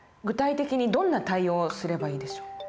具体的にどんな対応をすればいいでしょう？